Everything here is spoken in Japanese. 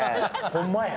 ホンマや。